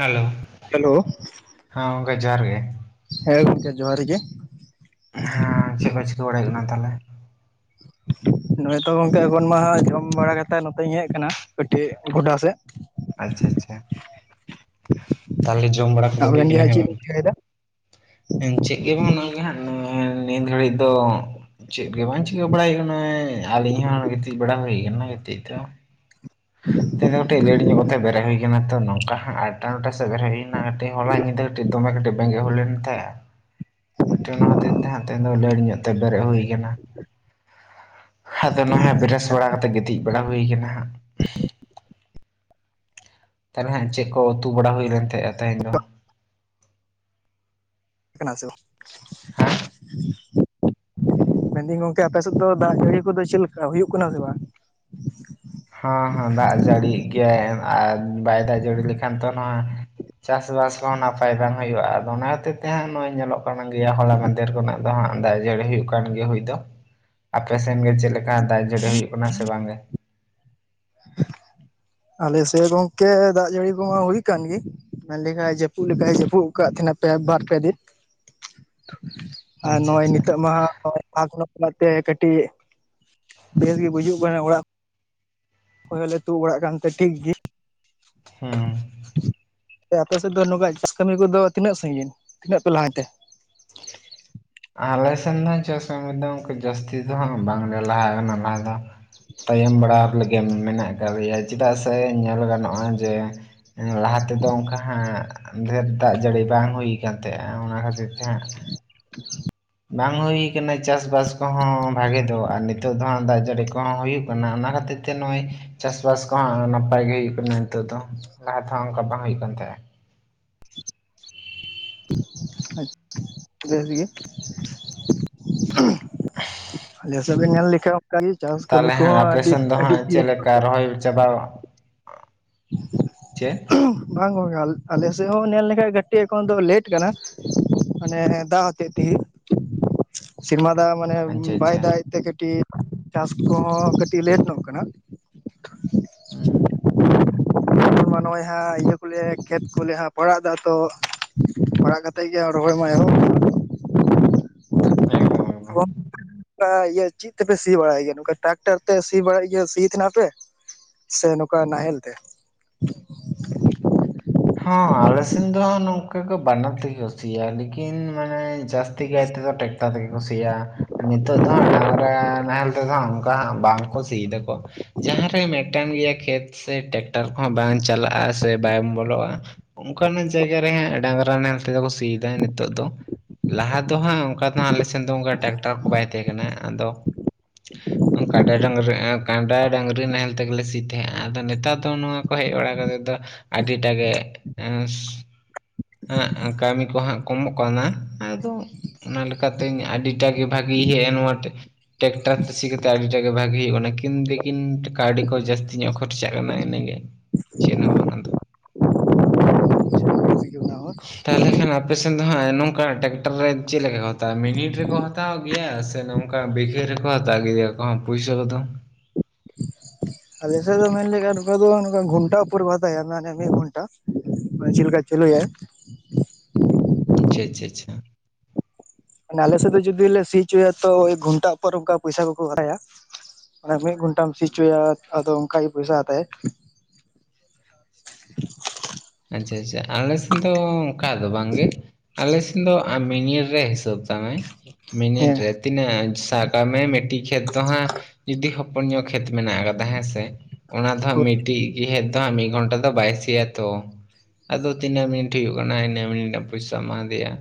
Hello hello ᱦᱮᱸ ᱜᱚᱝᱠᱮ ᱡᱚᱦᱟᱨ ᱜᱮ ᱾ ᱦᱮᱸ ᱜᱚᱝᱠᱮ ᱡᱚᱦᱟᱨ ᱜᱮ ᱾ ᱦᱮᱸ ᱪᱮᱫ ᱠᱚ ᱪᱤᱠᱟᱹ ᱵᱟᱲᱮᱭᱟᱜ ᱠᱟᱱᱟ ᱛᱟᱦᱚᱞᱮ? [inaudible] ᱱᱚᱜᱼᱚᱭ ᱛᱚ ᱜᱚᱝᱠᱮ ᱮᱠᱷᱚᱱ ᱢᱟᱦᱟᱸᱜ ᱡᱚᱢ ᱵᱟᱲᱟ ᱠᱟᱛᱮᱜ ᱱᱚᱛᱮᱧ ᱦᱮᱜ ᱠᱟᱱᱟ ᱠᱟᱹᱴᱤᱜ ᱜᱚᱰᱟ ᱥᱮᱜ᱾ ᱟᱪᱪᱷᱟ ᱟᱪᱪᱷᱟ᱾ ᱛᱟᱦᱚᱞᱮ ᱡᱚᱢ ᱵᱟᱲᱟ ᱠᱚᱫᱚ ᱦᱩᱭ ᱟᱵᱮᱱ ᱜᱮ ᱠᱟᱱᱟ ᱦᱟᱸᱜ ᱦᱮᱸ ᱪᱮᱫ ᱵᱟᱝ? ᱵᱮᱱ ᱪᱤᱠᱟᱹᱭᱮᱫᱟ ᱮᱸ ᱪᱮᱫ ᱜᱮᱵᱟᱝ [unintelligible] ᱦᱟᱸᱜ ᱱᱚᱣᱟ ᱱᱤᱭᱟᱹ ᱜᱷᱟᱹᱲᱤᱜ ᱫᱚ ᱪᱮᱫ ᱜᱮ ᱵᱟᱝ ᱪᱤᱠᱟᱹ ᱵᱟᱲᱟᱭ ᱦᱩᱭᱩᱜ ᱠᱟᱱᱟ ᱱᱚᱜᱼᱚᱭ ᱟᱹᱞᱤᱧ ᱦᱚᱸ ᱜᱤᱛᱤᱡ ᱵᱟᱲᱟ ᱦᱩᱭ ᱠᱟᱱᱟ ᱜᱤᱛᱤᱡ ᱫᱚ᱾ ᱛᱮᱦᱮᱧ ᱫᱚ ᱠᱟᱹᱴᱤᱜ ᱞᱮᱴ ᱧᱚᱜ ᱠᱟᱛᱮᱜ ᱵᱮᱨᱮᱜ ᱦᱩᱭ ᱠᱟᱱᱟ ᱛᱚ ᱱᱚᱝᱠᱟ ᱦᱟᱸᱜ ᱟᱴ ᱴᱟ ᱱᱚᱴᱟ ᱥᱮᱫ ᱵᱮᱨᱮᱜ ᱦᱩᱭᱱᱟ ᱠᱟᱹᱴᱤᱜ ᱦᱚᱞᱟ ᱧᱤᱫᱟᱹ ᱠᱟᱹᱴᱤᱜ ᱫᱚᱢᱮ ᱠᱟᱹᱴᱤᱜ ᱵᱮᱸᱜᱮᱫ ᱦᱩᱭ ᱞᱮᱱ ᱛᱮᱜ᱾ ᱠᱟᱹᱴᱤᱜ ᱚᱱᱟ ᱠᱷᱟᱹᱛᱤᱨ ᱛᱮ ᱦᱟᱸᱜ ᱛᱮᱦᱮᱧ ᱫᱚ ᱞᱮᱴ ᱧᱚᱜ ᱛᱮ ᱵᱮᱨᱮᱜ ᱦᱩᱭ ᱠᱟᱱᱟ᱾ ᱟᱫᱚ ᱱᱟᱦᱟᱸᱜ ᱵᱮᱨᱮᱥ ᱟᱪᱪᱷᱟ ᱵᱟᱲᱟ ᱠᱟᱛᱮᱜ ᱜᱤᱛᱤᱡ ᱵᱟᱲᱟ ᱦᱩᱭ ᱠᱟᱱᱟ ᱦᱟᱸᱜ᱾ ᱛᱟᱦᱚᱞᱮ ᱦᱟᱸᱜ ᱪᱮᱜ ᱠᱚ ᱩᱛᱩ ᱵᱟᱲᱟ ᱦᱩᱭ ᱞᱮᱱ ᱛᱮᱦᱮᱸᱜᱼᱟ ᱛᱮᱦᱮᱧ ᱫᱚ? ᱠᱟᱱᱟ ᱥᱩ, ᱦᱟᱸ ᱢᱮᱱ ᱫᱟᱹᱧ ᱜᱚᱝᱠᱮ ᱟᱯᱮ ᱥᱮᱜ ᱫᱚ ᱫᱟᱜᱽ ᱡᱟᱹᱲᱤ ᱠᱚᱫᱚ ᱪᱮᱜᱞᱮᱠᱟ ᱦᱩᱭᱩᱜ ᱠᱟᱱᱟ ᱥᱮ ᱵᱟᱝ? ᱦᱚᱸ ᱦᱚᱸ ᱫᱟᱜᱽ ᱡᱟᱹᱲᱤᱭᱮᱜ ᱜᱮᱭᱟᱭ ᱟᱨ ᱵᱟᱭ ᱫᱟᱜᱽ ᱡᱟᱹᱲᱤ ᱞᱮᱠᱷᱟᱱ ᱛᱚ ᱱᱚᱣᱟ ᱪᱟᱥᱼᱵᱟᱥ ᱠᱚᱦᱚᱸ ᱱᱟᱯᱟᱭ ᱵᱟᱝ ᱦᱩᱭᱩᱜ-ᱟ᱾ ᱟᱫᱚ ᱚᱱᱟ ᱦᱚᱛᱮ ᱛᱮ ᱦᱟᱸᱜ ᱱᱚᱜ-ᱚᱭ ᱧᱮᱞᱚᱜ ᱠᱟᱱ ᱜᱮᱭᱟ ᱦᱚᱞᱟ ᱢᱟᱸᱫᱷᱮᱨ ᱠᱷᱚᱱᱟᱜ ᱫᱚ ᱦᱟᱸᱜ ᱫᱟᱜᱽ ᱡᱟᱹᱲᱤ ᱦᱩᱭᱩᱜ ᱠᱟᱱ ᱜᱮᱭᱟ ᱦᱩᱭ ᱫᱚ᱾ ᱟᱯᱮ ᱥᱮᱱ ᱜᱮ ᱪᱮᱜ ᱞᱮᱠᱟ ᱫᱟᱜᱽ ᱡᱟᱹᱲᱤ ᱦᱩᱭᱩᱜ ᱠᱟᱱᱟ ᱥᱮ ᱵᱟᱝ ᱜᱮ? [inaudible] ᱟᱞᱮ ᱥᱮᱜ ᱜᱚᱝᱠᱮ ᱫᱟᱜᱽ ᱡᱟᱹᱲᱤ ᱠᱚᱢᱟ ᱦᱩᱭ ᱠᱟᱱ ᱜᱮ᱾ ᱢᱮᱱ ᱞᱮᱠᱷᱟᱭ ᱡᱟᱹᱯᱩᱜ ᱞᱮᱠᱟᱭ ᱡᱟᱹᱯᱩᱜ ᱟᱠᱟᱜ ᱛᱟᱦᱮᱸᱱᱟᱭ ᱯᱮ ᱵᱟᱨ ᱯᱮ ᱫᱤᱱ᱾ [inaudible] ᱟᱨ ᱱᱚᱜ-ᱚᱭ ᱟᱪᱪᱷᱟ ᱱᱤᱛᱚᱜ ᱢᱟ ᱦᱚᱭ ᱯᱷᱟᱠ ᱧᱚᱜ [unintelligible] ᱚᱱᱟᱛᱮ ᱠᱟᱹᱴᱤᱜ ᱵᱮᱥ ᱜᱮ ᱵᱩᱡᱩᱜ ᱠᱟᱱᱟ ᱚᱲᱟᱜ ᱦᱳᱭ ᱟᱞᱮ ᱛᱩᱜ ᱵᱟᱲᱟᱜ ᱠᱟᱱ ᱛᱮ ᱴᱷᱤᱠ ᱜᱤ᱾ ᱦᱩᱸ, ᱛᱮ ᱟᱯᱮᱥᱮᱜ ᱫᱚ ᱱᱚᱝᱠᱟ ᱪᱟᱥ ᱠᱟᱹᱢᱤ ᱠᱚᱫᱚ ᱛᱤᱱᱟᱹᱜ ᱥᱟᱺᱜᱤᱱ ᱛᱤᱱᱟᱹᱜ ᱯᱮ ᱞᱟᱦᱟᱭᱮᱱ ᱛᱮ? ᱟᱞᱮᱥᱮᱱ ᱫᱚ ᱦᱟᱸᱜ ᱪᱟᱥ ᱠᱟᱹᱢᱤ ᱫᱚ ᱚᱱᱠᱟ ᱡᱟᱹᱥᱛᱤ ᱫᱚ ᱦᱟᱸᱜ ᱵᱟᱝ ᱞᱮ ᱞᱟᱦᱟ ᱟᱠᱟᱱᱟ ᱞᱟᱦᱟ ᱫᱚ᱾ ᱛᱟᱭᱚᱢ ᱵᱟᱲᱟ ᱞᱮᱜᱮ ᱢᱮᱱᱟᱜ ᱠᱟᱜ ᱞᱮᱭᱟ ᱪᱤᱫᱟᱜ ᱥᱮ ᱧᱮᱞ ᱜᱟᱱᱚᱜ-ᱟ ᱡᱮ, ᱩᱸ ᱞᱟᱦᱟ ᱛᱮᱫᱚ ᱚᱱᱠᱟ ᱦᱟᱸᱜ ᱰᱷᱮᱨ ᱫᱟᱜᱽ ᱡᱟᱹᱲᱤ ᱵᱟᱝ ᱦᱩᱭ ᱠᱟᱱ ᱛᱮᱦᱮᱸᱜ-ᱟ ᱚᱱᱟ ᱠᱷᱟᱹᱛᱤᱨ ᱛᱮ ᱦᱟᱸᱜ ᱵᱟᱝ ᱦᱩᱭ ᱠᱟᱱᱟ ᱪᱟᱥᱼᱵᱟᱥ ᱠᱚᱦᱚᱸ ᱵᱷᱟᱜᱮ ᱫᱚ ᱟᱨ ᱱᱤᱛᱚᱜ ᱫᱚ ᱦᱟᱸᱜ ᱫᱟᱜᱽ ᱡᱟᱹᱲᱤ ᱠᱚᱦᱚᱸ ᱦᱩᱭᱩᱜ ᱠᱟᱱᱟ, ᱚᱱᱟ ᱠᱷᱟᱹᱛᱤᱨ ᱛᱮ ᱱᱚᱭ ᱪᱟᱥᱼᱵᱟᱥ ᱠᱚᱦᱚᱸ ᱱᱟᱯᱟᱭ ᱜᱮ ᱦᱩᱭᱩᱜ ᱠᱟᱱᱟ ᱱᱤᱛᱚᱜ ᱫᱚ ᱞᱟᱦᱟ ᱛᱮᱦᱚᱸ ᱚᱱᱠᱟ ᱵᱟᱝ ᱦᱩᱭᱩᱜ ᱠᱟᱱ ᱛᱮᱦᱮᱸᱜ-ᱟ᱾ ᱟᱪᱪᱷᱟ ᱵᱮᱥ ᱜᱮ, [inaudible] ᱟᱞᱮ ᱥᱮᱜ ᱦᱚᱸ ᱵᱮᱱ ᱧᱮᱞ ᱞᱮᱠᱷᱟᱯ ᱠᱟ ᱜᱤ ᱪᱟᱥ ᱠᱟᱹᱢᱤ ᱛᱟᱦᱚᱞᱮ ᱦᱟᱸᱜ ᱠᱚᱦᱚᱸ ᱟᱯᱮ ᱟᱹᱰᱤ ᱥᱮᱱ ᱫᱚ ᱟᱹᱰᱤ ᱦᱟᱸᱜ ᱤᱭᱟᱹ ᱪᱮᱜ ᱞᱮᱠᱟ ᱨᱚᱦᱚᱭ ᱪᱟᱵᱟᱣ ᱪᱮᱫ? ᱵᱟᱝ ᱜᱚᱝᱠᱮ ᱟᱞ ᱟᱞᱮ ᱥᱮᱜ ᱦᱚᱸ ᱱᱮᱞ ᱞᱮᱠᱷᱟᱭ ᱠᱟᱹᱴᱤᱜ ᱮᱠᱷᱚᱱ ᱫᱚ ᱞᱮᱴ ᱠᱟᱱᱟ᱾ ᱢᱟᱱᱮ ᱫᱟᱜᱽ ᱦᱚᱛᱮᱡ ᱛᱮᱜᱮ᱾ ᱥᱤᱨᱢᱟ ᱫᱟᱜᱽ ᱢᱟᱱᱮ ᱟᱪᱪᱷᱟ ᱩᱸ ᱵᱟᱭ ᱟᱪᱪᱷᱟ ᱫᱟᱜᱽ ᱮᱜ ᱛᱮ ᱠᱟᱹᱴᱤᱜ ᱪᱟᱥ ᱠᱚᱦᱚᱸ ᱠᱟᱹᱴᱤᱜ ᱞᱮᱴ ᱱᱚᱜ ᱠᱟᱱᱟ᱾ ᱦᱩᱸ [inaudible] ᱢᱟ ᱱᱚᱜ-ᱚᱭ ᱦᱟᱸᱜ ᱤᱭᱟᱹ ᱠᱚᱞᱮ ᱠᱷᱮᱛ ᱠᱚᱞᱮ ᱦᱟᱸᱜ ᱯᱟᱲᱟᱜ ᱫᱟ ᱛᱚ, ᱯᱟᱲᱟᱜ ᱠᱟᱛᱮᱜ ᱜᱮ ᱟᱨ ᱨᱚᱦᱚᱭ ᱢᱟ ᱮᱦᱚᱵ ᱮᱠᱫᱚᱢ᱾ ᱛᱚ ᱮᱠᱫᱚᱢ ᱜᱚᱝᱠᱮ, [inaudible] ᱤᱭᱟᱹ ᱪᱤᱫ ᱛᱮᱯᱮ ᱥᱤ ᱵᱟᱲᱟᱭ ᱜᱮᱭᱟ ᱱᱚᱝᱠᱟ ᱴᱨᱟᱠᱴᱟᱨ ᱛᱮ ᱥᱤ ᱵᱟᱲᱟ ᱤᱭᱟᱹ ᱥᱤ ᱛᱮᱦᱮᱱᱟ ᱯᱮ ᱥᱮ ᱱᱚᱠᱟ ᱱᱟᱦᱮᱞ ᱛᱮ? ᱦᱚᱸ ᱟᱞᱮ ᱥᱮᱱ ᱫᱚ ᱦᱟᱸᱜ ᱱᱚᱝᱠᱟ ᱠᱚ ᱵᱟᱱᱟᱨ ᱛᱮᱜᱮ ᱠᱚ ᱥᱤᱭᱟ ᱞᱮᱠᱤᱱ ᱢᱟᱱᱮ ᱡᱟᱹᱥᱛᱤ ᱠᱟᱭ ᱛᱮᱫᱚ ᱴᱮᱠᱴᱟᱨ ᱛᱮᱜᱮ ᱠᱩ ᱥᱤᱭᱟ, ᱱᱤᱛᱳᱜ ᱫᱚ ᱦᱟᱸᱜ ᱰᱟᱝᱜᱽᱨᱟ ᱱᱟᱦᱮᱞ ᱛᱮᱫᱚ ᱦᱟᱸᱜ ᱚ ᱠᱟ ᱦᱟᱸᱜ ᱵᱟᱝ ᱠᱚ ᱥᱤᱭ ᱫᱟᱠᱚ᱾ ᱡᱟᱦᱟᱸ ᱨᱮ ᱢᱮᱜᱴᱟᱱ ᱜᱮᱭᱟ ᱠᱷᱮᱛ ᱥᱮ ᱴᱮᱠᱴᱟᱨ ᱠᱚᱦᱚᱸ ᱵᱟᱝ ᱪᱟᱞᱟᱜ-ᱟ ᱥᱮ ᱵᱟᱝ ᱵᱚᱞᱚᱜ-ᱟ ᱚᱱᱠᱟ ᱱᱟᱜ ᱡᱟᱭᱜᱟ ᱨᱮ ᱦᱟᱸᱜ ᱰᱟᱝᱜᱽᱨᱟ ᱱᱟᱦᱮᱞ ᱛᱮᱫᱚ ᱠᱚ ᱥᱤᱭ ᱫᱟ ᱱᱤᱛᱳᱜ ᱫᱚ᱾ ᱞᱟᱦᱟ ᱫᱚ ᱦᱟᱸᱜ ᱚᱱᱠᱟ ᱫᱚ‌ ᱦᱟᱸᱜ ᱟᱞᱮ ᱥᱮᱱ ᱫᱚ ᱚᱱᱠᱟ ᱴᱮᱠᱴᱟᱨ ᱠᱚ ᱵᱟᱭ ᱛᱮᱦᱮᱸ ᱠᱟᱱᱟ ᱟᱫᱚ ᱚᱝ ᱠᱟᱰᱟ ᱰᱟᱝᱨᱤ ᱮᱸ ᱠᱟᱸᱰᱟ ᱰᱟᱝᱨᱤ ᱱᱟᱦᱮᱞ ᱛᱮᱜᱮ ᱞᱮ ᱥᱤ‌ ᱛᱮᱦᱮᱸᱜ-ᱟ ᱟᱫᱚ ᱱᱮᱛᱟᱨ ᱫᱚ ᱱᱚᱣᱟ ᱠᱚ ᱦᱮᱡ ᱵᱟᱲᱟ ᱠᱟ ᱠᱟᱛᱮᱜ ᱫᱚ ᱟᱹᱴᱰᱤ ᱴᱟ ᱜᱮ ᱮᱸᱥ ᱮᱸᱜ ᱟ ᱠᱟᱹᱢᱤ ᱠᱚ ᱦᱟᱸᱜ ᱠᱚᱢᱚᱜ ᱠᱟᱱᱟ ᱟᱫᱚ ᱚᱱᱟ ᱞᱮᱠᱟ ᱛᱤᱧ ᱟᱹᱰᱤ ᱴᱟ ᱜᱮ ᱵᱷᱟᱜᱮ ᱦᱮᱡ ᱮᱱ ᱱᱚᱣᱟ ᱴᱮ ᱴᱮᱠᱴᱟᱨ ᱛᱮ ᱥᱤ ᱠᱟᱛᱮᱫ ᱟᱹᱰᱤᱴᱟᱜ ᱜᱮ ᱵᱷᱟᱜᱮ ᱦᱳᱭᱳᱜ ᱠᱟᱱᱟ ᱠᱤᱱ ᱛᱮ ᱠᱤᱱ ᱠᱟᱹᱣᱰᱤ ᱠᱚ ᱡᱟᱹᱥᱛᱤ ᱧᱚᱜ ᱠᱷᱚᱨᱪᱟᱜ ᱠᱟᱱᱟ ᱤᱱᱟᱹᱜᱮ ᱪᱮᱫ ᱦᱚᱸ ᱵᱟᱝ ᱟᱫᱚ᱾ ᱛᱟᱦᱚᱞᱮ ᱠᱷᱟᱱ ᱟᱯᱮ ᱥᱮᱱ ᱫᱚ ᱦᱟᱸᱜ ᱱᱚᱝᱠᱟ ᱴᱮᱠᱴᱟᱨ ᱨᱮ ᱪᱮᱫ ᱞᱮᱠᱟ ᱠᱚ ᱦᱟᱛᱟᱣᱟ ᱢᱤᱱᱤᱴ ᱨᱮᱠᱚ ᱦᱟᱛ ᱛᱟᱣ ᱜᱮᱭᱟ ᱥᱮ ᱱᱚᱝᱠᱟ ᱵᱤᱜᱷᱟᱹ ᱨᱮᱠᱚ ᱦᱟᱛᱟᱣ ᱜᱮᱭᱟ ᱤᱭᱟᱹ ᱠᱚᱦᱚᱸ ᱯᱩᱭᱥᱟᱹ ᱠᱚᱫᱚ? ᱟᱞᱮ ᱥᱮᱫ ᱫᱚ ᱢᱮᱱ ᱞᱮᱠᱟᱱ ᱱᱚᱠᱟ ᱫᱚ ᱱᱚᱠᱟᱱ ᱜᱷᱚᱸᱱᱴᱟ ᱩᱯᱳᱨ ᱠᱚ ᱦᱟᱛᱟᱭᱟ ᱢᱟᱱᱮ ᱢᱤᱫ ᱜᱷᱚᱸᱱᱴᱟ ᱪᱮᱞᱮᱠᱟ ᱪᱟᱹᱞᱩᱭᱟᱭ᱾ ᱟᱪᱪᱷᱟ ᱟᱪᱪᱷᱟ ᱟᱪᱪᱷᱟ᱾ ᱢᱟᱱᱮ ᱟᱞᱮ ᱥᱮᱫ ᱫᱚ ᱡᱩᱫᱤ ᱞᱮ ᱥᱤ ᱦᱚᱪᱚᱭᱟ ᱛᱚ ᱮᱠ ᱜᱷᱚᱸᱱᱴᱟ ᱩᱯᱚᱨᱮ ᱚᱱᱠᱟ ᱯᱚᱭᱥᱟ ᱠᱚᱠᱚ ᱦᱟᱛᱟᱭᱟ᱾ ᱢᱟᱱᱮ ᱢᱤᱫ ᱜᱷᱚᱸᱱᱴᱟᱢ ᱥᱤ ᱦᱚᱪᱚᱭᱟ ᱟᱫᱚ ᱚᱱᱠᱟ ᱜᱮ ᱯᱚᱭᱥᱟ ᱦᱟᱛᱟᱭᱟᱭ᱾ ᱟᱪᱪᱷᱟ ᱟᱪᱪᱷᱟ ᱟᱞᱮ ᱥᱮᱱ ᱫᱚ ᱚᱱᱠᱟ ᱫᱚ ᱵᱟᱝᱜᱮ, ᱟᱞᱮ ᱥᱮᱱ ᱫᱚ ᱟ ᱢᱤᱱᱤᱴ ᱨᱮ ᱦᱤᱥᱟᱹᱵᱽ᱾ ᱛᱟᱢᱟᱭ ᱢᱤᱸᱱᱤᱴ ᱦᱮᱸ ᱨᱮ᱾ ᱛᱤᱱᱟᱹᱜ ᱥᱟᱵ ᱠᱟᱜ ᱢᱮ ᱢᱤᱫᱴᱤᱡ ᱠᱷᱮᱛ ᱫᱚ ᱦᱟᱸᱜ ᱡᱩᱫᱤ ᱦᱚᱯᱚᱱ ᱧᱚᱜ ᱠᱷᱮᱛ ᱢᱮᱱᱟᱜ ᱟᱠᱟᱫᱟ ᱦᱮᱸᱥᱮ᱾ ᱚᱱᱟ ᱫᱚ ᱦᱟᱸᱜ ᱢᱤᱫᱴᱤᱡ ᱜᱮ ᱦᱮᱡ ᱫᱚ ᱦᱟᱸᱜ ᱢᱤᱫ ᱜᱷᱚᱸᱱᱴᱟ ᱫᱚ ᱵᱟᱭ ᱥᱤᱭᱟ ᱛᱚ᱾ ᱟᱫᱚ ᱛᱤᱱᱟᱹᱜ ᱢᱤᱸᱱᱤᱴ ᱦᱩᱭᱩᱜ ᱠᱟᱱᱟ ᱤᱱᱟᱹᱜ ᱢᱤᱸᱱᱤᱴ ᱨᱮᱱᱟᱜ ᱯᱚᱭᱥᱟᱢ ᱮᱢᱟ ᱫᱮᱭᱟ᱾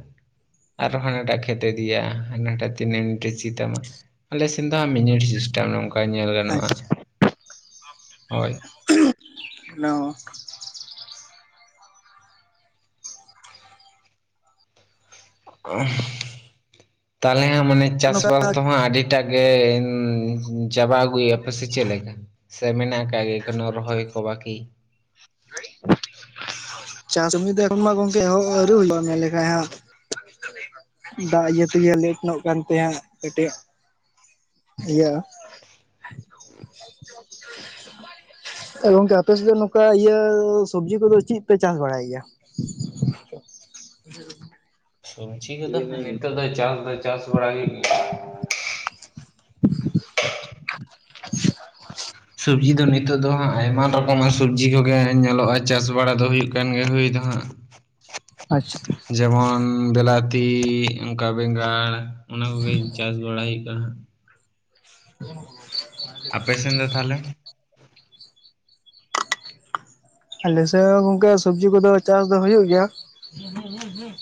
ᱟᱨᱚ ᱦᱟᱱᱟᱴᱟᱜ ᱠᱷᱮᱛᱮ ᱤᱫᱤᱭᱟ ᱦᱟᱱᱟᱴᱟᱜ ᱛᱤᱱᱟᱹᱜ ᱢᱤᱸᱱᱤᱴᱮ ᱥᱤ ᱛᱟᱢᱟ᱾ ᱟᱞᱮ ᱥᱮᱱ ᱫᱚ ᱦᱟᱸᱜ ᱢᱤᱸᱱᱤᱰ ᱥᱤᱥᱴᱟᱢ ᱱᱚᱝᱠᱟ ᱧᱮᱞ ᱜᱟᱱᱚᱜᱼᱟ, ᱟᱪᱪᱷᱟ ᱦᱳᱭ᱾ ᱦᱮᱞᱳ᱾ ᱛᱟᱞᱦᱮ ᱦᱟᱸᱜ ᱢᱟᱱᱮ ᱪᱟᱥ ᱱᱚᱝᱠᱟ ᱵᱟᱥ ᱫᱚ ᱦᱟᱸᱜ ᱟᱹᱰᱤ ᱴᱟ ᱜᱮ ᱩᱸᱻ ᱪᱟᱵᱟ ᱟᱹᱜᱩᱭᱮᱜ-ᱟ ᱯᱮ ᱥᱮ ᱪᱮᱫ ᱞᱮᱠᱟ ᱥᱮ ᱢᱮᱱᱟᱜ? ᱟᱠᱟᱜ ᱜᱮᱭᱟ ᱮᱠᱷᱚᱱᱚ ᱨᱚᱦᱚᱭ ᱠᱚ ᱵᱟᱠᱤ? ᱪᱟᱥ ᱠᱟᱹᱢᱤ ᱫᱚ ᱮᱠᱷᱚᱱ ᱢᱟ ᱜᱚᱝᱠᱮ ᱮᱦᱚᱵ ᱟᱹᱣᱨᱤ ᱦᱩᱭᱩᱜᱼᱟ ᱢᱮᱱ ᱞᱮᱠᱷᱟᱡ ᱦᱟᱸᱜ᱾ ᱫᱟᱜ ᱤᱭᱟᱹ ᱛᱮᱜᱮ ᱞᱮᱴ ᱱᱚᱜ ᱠᱟᱱᱛᱮ ᱦᱟᱸᱜ ᱠᱟᱹᱴᱤᱡ ᱤᱭᱟᱹ ᱮ ᱜᱚᱝᱠᱮ ᱟᱯᱮ ᱥᱮᱫ ᱫᱚ ᱱᱚᱝᱠᱟ ᱤᱭᱟᱹ ᱥᱚᱵᱡᱤ ᱠᱚᱫᱚ ᱪᱮᱫ ᱯᱮ ᱪᱟᱥ ᱵᱟᱲᱟᱭ ᱜᱮᱭᱟ? ᱥᱚᱵᱡᱷᱤ ᱠᱚᱫᱚ ᱱᱤᱛᱚᱜ ᱫᱚ ᱪᱟᱥ ᱫᱚ ᱪᱟᱥ ᱵᱟᱲᱟ ᱦᱩᱭᱩᱜ ᱜᱮᱭᱟ᱾ ᱥᱚᱵᱡᱤ ᱫᱚ ᱱᱤᱛᱚᱜ ᱫᱚ ᱦᱟᱸᱜ ᱟᱭᱢᱟ ᱨᱚᱠᱚᱢᱟᱜ ᱥᱚᱵᱽᱡᱤ ᱠᱚᱜᱮ ᱧᱮᱞᱚᱜᱼᱟ ᱪᱟᱥ ᱵᱟᱲᱟ ᱫᱚ ᱦᱩᱭᱩᱜ ᱠᱟᱱ ᱜᱮᱭᱟ ᱦᱩᱭ ᱫᱚ ᱦᱟᱸᱜ᱾ [inaudible] ᱟᱪᱪᱷᱟ᱾ ᱡᱮᱢᱚᱱ ᱵᱤᱞᱟᱛᱤ ᱚᱱᱠᱟ ᱵᱮᱸᱜᱟᱲ ᱚᱱᱟ ᱠᱚᱜᱮ ᱪᱟᱥ ᱵᱟᱲᱟᱭ ᱦᱩᱭᱩᱜ [unintelligible] [inaudible] ᱟᱯᱮ ᱥᱮᱱ ᱫᱚ ᱛᱟᱷᱚᱞᱮ? ᱟᱞᱮ ᱥᱮᱫ ᱦᱚᱸ ᱜᱚᱝᱠᱮ ᱥᱚᱵᱽᱡᱤ ᱠᱚᱫᱚ ᱪᱟᱥ ᱫᱚ ᱦᱩᱭᱩᱜ ᱜᱮᱭᱟ᱾ ᱦᱩᱸ ᱦᱩᱸ ᱦᱩᱸ ᱦᱩᱸ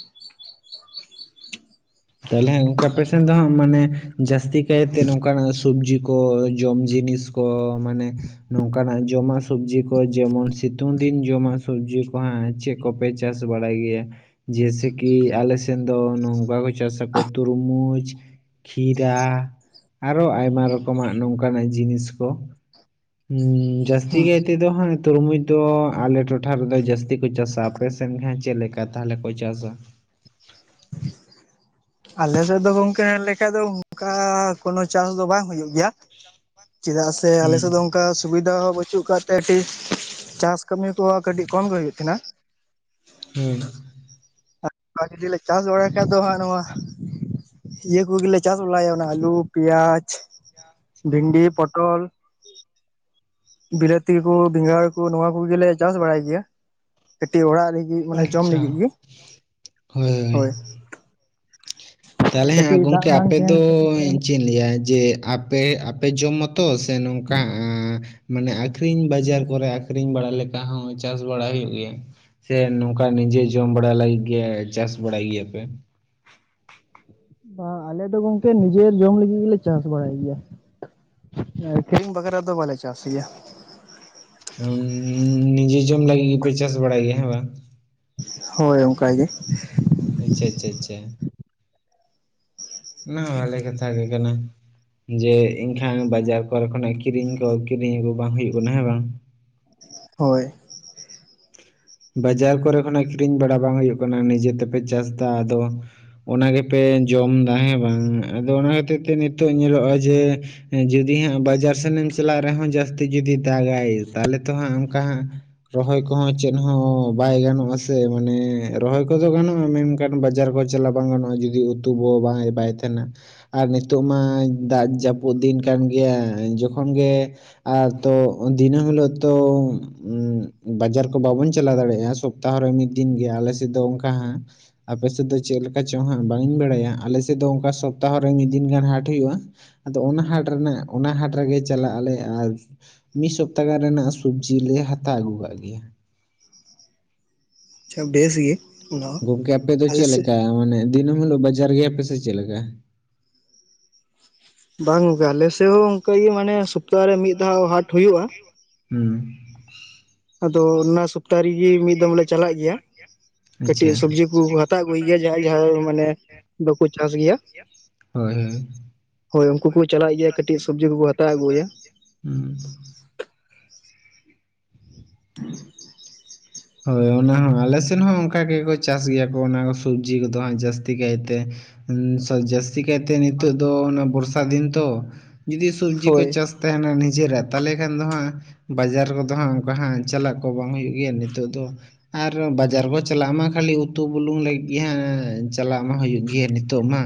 ᱛᱟᱦᱚᱞᱮ ᱟᱯᱮ ᱥᱮᱫ ᱫᱚ ᱦᱟᱸᱜ ᱢᱟᱱᱮ ᱡᱟᱹᱥᱛᱤ ᱠᱟᱭᱛᱮ ᱱᱚᱝᱠᱟᱱᱟᱜ ᱥᱚᱵᱽᱡᱤ ᱠᱚ ᱡᱚᱢ ᱡᱤᱸᱱᱤᱥ ᱚ ᱢᱟᱱᱮ ᱱᱚᱝᱠᱟᱱᱟᱜ ᱡᱚᱢᱟᱜ ᱥᱚᱵᱽᱡᱤ ᱠᱚ ᱡᱮᱢᱚᱱ ᱥᱤᱸᱛᱩᱝ ᱫᱤᱱ ᱡᱚᱢᱟᱜ ᱥᱚᱵᱽᱡᱤ ᱠᱚ ᱦᱟᱜ ᱪᱮᱜ ᱠᱚᱯᱮ ᱪᱟᱥ ᱵᱟᱲᱟᱭ ᱜᱮᱭᱟ ᱡᱮᱥᱮ ᱠᱤ ᱟᱞᱮ ᱥᱮᱱ ᱫᱚ ᱱᱚᱝᱠᱟ ᱠᱚ ᱪᱟᱥ-ᱟ ᱠᱚ ᱛᱩᱨᱢᱩᱡᱽ᱾ ᱠᱷᱤᱨᱟ ᱟᱨᱚ ᱟᱨ ᱚ ᱟᱭᱢᱟ ᱨᱚᱠᱚᱢᱟᱜ ᱱᱚᱝᱠᱟᱱᱟᱜ ᱡᱤᱸᱱᱤᱥ ᱠᱚ᱾ ᱦᱩᱸ ᱡᱟᱹᱥᱛᱤ ᱠᱟᱹᱭ ᱛᱮᱫᱚ ᱦᱟᱜ ᱛᱩᱨᱢᱩᱡᱽ ᱫᱚ ᱟᱞᱮ ᱴᱚᱴᱷᱟ ᱨᱮᱫᱚ ᱡᱟᱹᱥᱛᱤ ᱠᱚ ᱪᱟᱥ-ᱟ᱾ ᱟᱯᱮ ᱥᱮᱱ ᱦᱟᱜ ᱪᱮᱫ ᱞᱮᱠᱟ ᱛᱟᱦᱚᱞᱮ ᱠᱚ ᱪᱟᱥᱟ? ᱟᱞᱮ ᱥᱮᱫ ᱫᱚ ᱜᱚᱝᱠᱮ ᱢᱮᱱ ᱞᱮᱠᱷᱟ ᱫᱚ ᱚᱱᱠᱟ ᱠᱳᱱᱚ ᱪᱟᱥ ᱫᱚ ᱵᱟᱝ ᱦᱩᱭᱩᱜ ᱜᱮᱭᱟ᱾ ᱪᱮᱫᱟᱜ ᱥᱮ ᱟᱞᱮ ᱥᱮᱫ ᱦᱩᱸ ᱫᱚ ᱚᱱᱠᱟ ᱥᱩᱵᱤᱫᱟ ᱦᱚᱸ ᱯᱟᱹᱪᱩᱜ ᱟᱠᱟᱫ ᱛᱮ ᱠᱟᱹᱴᱤᱡ ᱪᱟᱥ ᱠᱟᱹᱢᱤ ᱠᱚᱦᱚᱸ ᱠᱟᱹᱴᱤᱡ ᱠᱚᱢ ᱜᱮ ᱦᱩᱭᱩᱜ ᱛᱟᱦᱮᱱᱟ᱾ ᱦᱳᱭ ᱟᱨ ᱡᱩᱫᱤ ᱞᱮ ᱪᱟᱥ ᱵᱟᱲᱟᱭ ᱠᱷᱟᱡ ᱫᱚ ᱦᱟᱸᱜ ᱱᱚᱣᱟ᱾ ᱤᱭᱟᱹ ᱠᱚᱜᱮᱞᱮ ᱪᱟᱥ ᱵᱟᱲᱟᱭᱟ ᱚᱱᱟ ᱟᱹᱞᱩ, ᱯᱮᱭᱟᱡ, ᱵᱷᱤᱱᱰᱤ, ᱯᱚᱴᱚᱞ᱾ ᱵᱤᱞᱟᱹᱛᱤ ᱠᱚ ᱵᱮᱸᱜᱟᱲ ᱠᱚ ᱱᱚᱣᱟ ᱠᱚᱜᱮᱞᱮ ᱪᱟᱥ ᱵᱟᱲᱟᱭ ᱜᱮᱭᱟ ᱠᱟᱹᱴᱤᱡ ᱚᱲᱟᱜ ᱨᱮ ᱤ ᱢᱟᱱᱮ ᱡᱚᱢ [inaudible] ᱟᱪᱪᱷᱟ ᱞᱟᱹᱜᱤᱫ ᱜᱮ ᱦᱳᱭ ᱛᱟᱦᱚᱞᱮ ᱦᱮᱸ ᱠᱟᱹᱴᱤᱡ ᱫᱟᱜ ᱜᱚᱝᱠᱮ ᱵᱟᱝ ᱟᱯᱮ ᱛᱟᱦᱮᱱ ᱫᱚ ᱠᱷᱟᱹᱛᱤᱨ ᱛᱮ ᱪᱮᱫᱤᱧ ᱞᱟᱹᱭᱟ ᱡᱮ ᱟᱯᱮ ᱟᱯᱮ ᱡᱚᱢ ᱢᱟᱛᱚ ᱥᱮ ᱱᱚᱝᱠᱟ ᱢᱟᱱᱮ ᱟᱠᱷᱨᱤᱧ ᱵᱟᱡᱟᱨ ᱠᱚᱨᱮ ᱟᱠᱷᱨᱤᱧ ᱵᱟᱲᱟ ᱞᱮᱠᱟ ᱦᱚᱸ ᱪᱟᱥ ᱵᱟᱲᱟ ᱦᱩᱭᱩᱜ ᱜᱮᱭᱟ᱾ ᱥᱮ ᱱᱚᱝᱠᱟ ᱱᱤᱡᱮ ᱡᱚᱢ ᱵᱟᱲᱟ ᱞᱟᱹᱜᱤᱫ ᱜᱮ ᱪᱟᱥ ᱵᱟᱲᱟᱭ ᱜᱮᱭᱟᱯᱮ? ᱵᱟᱝ ᱟᱞᱮ ᱫᱚ ᱜᱚᱝᱠᱮ ᱱᱤᱡᱮᱨ ᱡᱚᱢ ᱞᱟᱹᱜᱤᱫ ᱜᱮᱞᱮ ᱪᱟᱥ ᱵᱟᱲᱟᱭ ᱜᱮᱭᱟ᱾ ᱟᱠᱷᱨᱤᱧ ᱵᱟᱠᱷᱨᱟ ᱫᱚ ᱵᱟᱞᱮ ᱪᱟᱥ ᱜᱮᱭᱟ᱾ ᱱᱤᱡᱮ ᱡᱚᱢ ᱞᱟᱹᱜᱤᱫ ᱜᱮᱯᱮ ᱪᱟᱥ ᱵᱟᱲᱟᱭ ᱜᱮᱭᱟ ᱦᱮᱸ ᱵᱟᱝ? ᱦᱳᱭ ᱚᱱᱠᱟᱜᱮ᱾ ᱟᱪᱪᱷᱟ ᱟᱪᱪᱷᱟ ᱟᱪᱪᱷᱟ ᱚᱱᱟ ᱦᱚᱸ ᱵᱷᱟᱞᱮ ᱠᱟᱛᱷᱟ ᱜᱮ ᱠᱟᱱᱟ᱾ ᱡᱮ ᱮᱱᱠᱷᱟᱱ ᱵᱟᱡᱟᱨ ᱠᱚᱨᱮ ᱠᱷᱚᱱᱟᱜ ᱠᱤᱨᱤᱧ ᱠᱚ ᱠᱤᱨᱤᱧ ᱟᱜᱩ ᱵᱟᱝ ᱦᱩᱭᱩᱜ ᱠᱟᱱᱟ ᱦᱮᱸ ᱵᱟᱝ? ᱦᱳᱭ᱾ ᱵᱟᱡᱟᱨ ᱠᱚᱨᱮ ᱠᱷᱚᱱᱟᱜ ᱠᱤᱨᱤᱧ ᱵᱟᱲᱟ ᱵᱟᱝ ᱦᱩᱭᱩᱜ ᱠᱟᱱᱟ ᱱᱤᱡᱮ ᱛᱮᱯᱮ ᱪᱟᱥᱫᱟ ᱟᱫᱚ ᱚᱱᱟ ᱜᱮᱯᱮ ᱡᱚᱢᱫᱟ ᱦᱮᱸ ᱵᱟᱝ ᱟᱫᱚ ᱚᱱᱟ ᱠᱷᱟᱹᱛᱤᱨ ᱛᱮ ᱱᱤᱛᱚᱜ ᱧᱮᱞᱚᱜᱼᱟ ᱡᱮ ᱡᱩᱫᱤ ᱦᱟᱸᱜ ᱵᱟᱡᱟᱨ ᱥᱮᱱᱮᱢ ᱪᱟᱞᱟᱜ ᱨᱮᱦᱚᱸ ᱡᱟᱹᱥᱛᱤ ᱡᱩᱫᱤ ᱫᱟᱜᱟᱭ ᱛᱟᱦᱞᱮ ᱛᱚ ᱦᱟᱸᱜ ᱚᱱᱠᱟ ᱦᱟᱸᱜ ᱨᱚᱦᱚᱭ ᱠᱚᱦᱚᱸ ᱪᱮᱜ ᱦᱚᱸ ᱵᱟᱭ ᱜᱟᱱᱚᱜᱼᱟ ᱥᱮ ᱢᱟᱱᱮ ᱨᱚᱦᱚᱭ ᱠᱚᱫᱚ ᱜᱟᱱᱚᱜᱼᱟ ᱢᱮᱱᱠᱷᱟᱱ ᱵᱟᱡᱟᱨ ᱠᱚ ᱪᱟᱞᱟᱣ ᱵᱟᱝ ᱜᱟᱱᱚᱜᱼᱟ ᱡᱩᱫᱤ ᱩᱛ ᱛᱩ ᱠᱚ ᱵᱟᱭ ᱵᱟᱭ ᱛᱟᱦᱮᱱᱟ ᱟᱨ ᱱᱤᱛᱚᱜ ᱢᱟ ᱫᱟᱜ ᱡᱟᱹᱯᱩᱫ ᱫᱤᱱ ᱠᱟᱱ ᱜᱮᱭᱟ ᱡᱚᱠᱷᱚᱱ ᱜᱮ ᱟᱨ ᱛᱚ ᱫᱤᱱᱟᱹᱢ ᱦᱤᱞᱳᱜ ᱛᱚ ᱵᱟᱡᱟᱨ ᱵᱟᱵᱚᱱ ᱪᱟᱞᱟᱣ ᱫᱟᱲᱮᱭᱟᱜᱼᱟ ᱥᱚᱯᱛᱟᱦᱚ ᱨᱮ ᱢᱤᱫ ᱫᱤᱱ ᱜᱮ ᱟᱞᱮ ᱥᱮᱫ ᱫᱚ ᱚᱱᱠᱟ ᱦᱟ ᱟᱯᱮ ᱥᱮᱫ ᱫᱚ ᱪᱮᱫ ᱞᱮᱠᱟ ᱪᱚᱝ ᱦᱟᱸᱜ ᱵᱟᱝ ᱤᱧ ᱵᱟᱲᱟᱭᱟ ᱟᱞᱮ ᱥᱮᱫ ᱫᱚ ᱚᱱᱠᱟ ᱥᱚᱯᱛᱟᱦᱚ ᱨᱮ ᱢᱤᱫ ᱫᱤᱱ ᱜᱟᱱ ᱦᱟᱴ ᱦᱩᱭᱩᱜᱼᱟ᱾ ᱟᱫᱚ ᱚᱱᱟ ᱦᱟᱴ ᱨᱮᱱᱟᱜ ᱚᱱᱟ ᱦᱟᱴ ᱨᱮᱜᱮ ᱪᱟᱞᱟᱜ ᱟᱞᱮ ᱟᱨ ᱢᱤᱫ ᱥᱚᱯᱛᱟᱦ ᱜᱟᱱ ᱨᱮᱱᱟᱜ ᱥᱚᱵᱡᱤᱞ ᱞᱮ ᱦᱟᱛᱟᱣ ᱟᱹᱜᱩ ᱠᱟᱜ ᱜᱮᱭᱟ᱾ ᱟᱪᱪᱷᱟ ᱵᱷᱮᱥ ᱜᱮ ᱚᱱᱟ ᱦᱚᱸ ᱜᱚᱝᱠᱮ ᱟᱯᱮ ᱫᱚ ᱟᱞᱮ ᱪᱮᱫ ᱥᱮᱫ ᱞᱮᱠᱟ ᱢᱟᱱᱮ ᱫᱤᱱᱟᱢ ᱦᱤᱞᱳᱜ ᱵᱟᱡᱟᱨ ᱜᱮᱭᱟᱯ ᱥᱮ ᱪᱮᱫ ᱞᱮᱠᱟ? ᱵᱟᱝ ᱜᱚᱝᱠᱮ ᱟᱞᱮᱥᱮᱫ ᱦᱚᱸ ᱚᱱᱠᱟᱜᱮ ᱢᱟᱱᱮ ᱥᱚᱯᱛᱟᱦᱚᱨᱮ ᱢᱤᱫ ᱫᱷᱟᱣ ᱦᱟᱴ ᱦᱩᱭᱩᱜᱼᱟ ᱦᱩᱸ ᱟᱫᱚ ᱚᱱᱟ ᱥᱚᱯᱛᱟᱦ ᱨᱮᱜᱮ ᱢᱤᱫ ᱫᱚᱢ ᱞᱮ ᱪᱟᱞᱟᱜ ᱜᱮᱭᱟ᱾ ᱠᱟᱹᱴᱤᱡ ᱟᱪᱪᱷᱟ ᱥᱚᱵᱡᱤ ᱠᱚ ᱦᱟᱛᱟᱣ ᱟᱹᱜᱩᱭ ᱜᱮᱭᱟ ᱡᱟᱦᱟᱸᱭ ᱡᱟᱦᱟᱸᱭ ᱢᱟᱱᱮ ᱵᱟᱠᱚ ᱪᱟᱥ ᱜᱮᱭᱟ᱾ ᱦᱳᱭ ᱦᱳᱭ᱾ ᱦᱳᱭ ᱩᱱᱠᱩ ᱠᱚ ᱪᱟᱞᱟᱜ ᱜᱮᱭᱟ ᱠᱟᱴᱤᱡ ᱥᱚᱵᱽᱡᱤ ᱠᱚᱠᱚ ᱦᱟᱛᱟᱣ ᱟᱹᱜᱩᱭᱟ᱾ ᱦᱩᱸ᱾ [inaudible] ᱦᱳᱭ ᱚᱱᱟ ᱦᱚᱸ ᱟᱞᱮ ᱥᱮᱫ ᱦᱚᱸ ᱚᱱᱠᱟ ᱜᱮᱠᱚ ᱪᱟᱥ ᱜᱮᱭᱟ ᱠᱚ ᱚᱱᱟ ᱥᱚᱵᱡᱤ ᱠᱚᱫᱚ ᱦᱟᱸᱜ ᱡᱟᱹᱥᱛᱤ ᱠᱟᱭᱛᱮ᱾ ᱡᱟᱹᱥᱛᱤ ᱠᱟᱭᱛᱮ ᱱᱤᱛᱚᱜ ᱫᱚ ᱚᱱᱟ ᱵᱚᱨᱥᱟ ᱫᱤᱱ ᱛᱚ ᱡᱩᱫᱤ ᱥᱚᱵᱡᱤ ᱠᱚ ᱦᱳᱭ ᱪᱟᱥ ᱛᱟᱦᱮᱱᱟ ᱱᱤᱡᱮᱨᱟᱜ ᱛᱟᱦᱚᱞᱮ ᱠᱷᱟᱱ ᱫᱚ ᱦᱟᱸᱜ ᱵᱟᱡᱟᱨ ᱠᱚᱫᱚ ᱦᱟᱸᱜ ᱚᱱᱠᱟ ᱦᱟᱸᱜ ᱪᱟᱞᱟᱜ ᱠᱚ ᱵᱟᱝ ᱦᱩᱭᱩᱜ ᱜᱮᱭᱟ ᱱᱤᱛᱚᱜ ᱫᱚ ᱛᱚ ᱟᱨ ᱵᱟᱡᱟᱨ ᱠᱚ ᱪᱟᱞᱟᱜ ᱢᱟ ᱠᱷᱟᱹᱞᱤ ᱩᱛᱩ ᱵᱩᱞᱩᱝ ᱞᱟᱹᱜᱤᱫ ᱜᱮ ᱦᱜ ᱪᱟᱞᱟᱜ ᱢᱟ ᱦᱩᱭᱩᱜ ᱜᱮᱭᱟ ᱱᱤᱛᱚᱜ ᱱᱤᱛᱚᱜ ᱢᱟ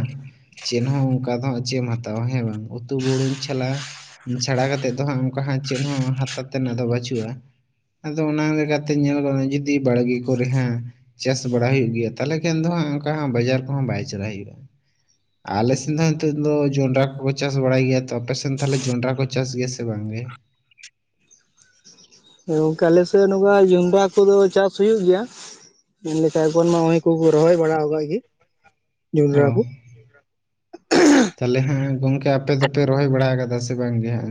ᱪᱮᱫ ᱦᱚᱸ ᱚᱱᱠᱟ ᱫᱚ ᱦᱟᱸᱜ ᱪᱮᱫ ᱮᱢ ᱦᱟᱛᱟᱣᱟ ᱦᱮᱸ ᱵᱟᱝ ᱩᱛᱩ ᱵᱩᱨᱩᱢ ᱪᱟᱞᱟᱜᱼᱟ᱾ ᱪᱷᱟᱲᱟ ᱠᱟᱛᱮᱮᱫ ᱫᱚ ᱦᱟᱸᱜ ᱚᱱᱠᱟ ᱦᱟᱸᱜ ᱪᱮᱫ ᱦᱚᱸ ᱦᱟᱛᱟᱣ ᱛᱮᱱᱟᱜ ᱫᱚ ᱵᱟᱹᱪᱩᱜᱼᱟ ᱾ ᱟᱫᱚ ᱚᱱᱟ ᱞᱮᱠᱟᱛᱮ ᱧᱮᱞ ᱜᱚᱫᱚᱜ ᱡᱩᱫᱤ ᱵᱟᱲᱜᱮ ᱠᱚᱨᱮ ᱦᱮᱸ ᱪᱟᱥ ᱵᱟᱲᱟ ᱦᱩᱭᱩᱜ ᱜᱮᱭᱟ ᱛᱟᱦᱞᱮ ᱠᱷᱟᱱ ᱫᱚᱜ ᱚᱱᱠᱟ ᱵᱟᱡᱟᱨ ᱠᱚᱦᱚᱸ ᱵᱟᱭ ᱪᱟᱞᱟᱜ ᱦᱩᱭᱩᱜᱼᱟ᱾ ᱟᱞᱮ ᱥᱮᱮᱫ ᱫᱚ ᱱᱤᱛᱚᱜ ᱫᱚ ᱡᱚᱱᱰᱨᱟ ᱠᱚᱠᱚ ᱪᱟᱥ ᱵᱟᱲᱟᱭ ᱜᱮᱭᱟ ᱛᱚ ᱟᱯᱮ ᱥᱮᱱ ᱛᱟᱦᱚᱞᱮ ᱡᱚᱸᱰᱨᱟ ᱠᱚ ᱪᱟᱥ ᱜᱮᱭᱟ ᱥᱮ ᱵᱟᱝᱜᱮ? ᱜᱚᱝᱠᱮ ᱟᱞᱮ ᱥᱮ ᱱᱚᱝᱠᱟ ᱡᱚᱱᱰᱨᱟᱼᱼ ᱦᱠᱩ ᱫᱚ ᱪᱟᱥ ᱦᱩᱭᱩᱜ ᱜᱮᱭᱟ ᱢᱮᱱᱞᱠᱷᱟᱯᱚᱱ ᱢᱟ ᱠᱚᱠᱚ ᱨᱚᱦᱚᱭ ᱵᱟᱲᱟ ᱟᱠᱟᱫ ᱜᱮ᱾ ᱚ᱾ ᱡᱚᱱᱰᱨᱟ ᱠᱚ ᱛᱟᱦᱚᱞᱮ ᱦᱮᱸ ᱜᱚᱝᱠᱮ ᱟᱯᱮ ᱫᱚᱯᱮ ᱨᱚᱦᱚᱭ ᱵᱟᱲᱟ ᱠᱟᱫᱟ ᱥᱮ ᱵᱟᱝ ᱜᱮ ᱦᱮ?